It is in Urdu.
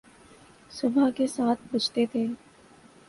صبح کے سات بجتے تھے۔